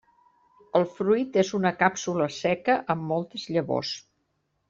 El fruit és una càpsula seca amb moltes llavors.